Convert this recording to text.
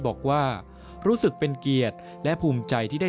บอกว่ารู้สึกเป็นเกียรติและภูมิใจที่ได้